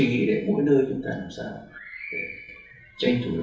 nhiều chuyện đó